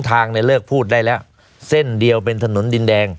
ทางเนี่ยเลิกพูดได้แล้วเส้นเดียวเป็นถนนดินแดง